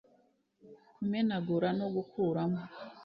kumenagura no gukuramo